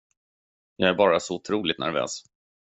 Jag är bara så otroligt nervös.